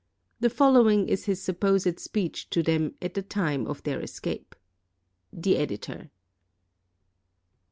The following is his supposed speech to them at the time of their escape. The Editor.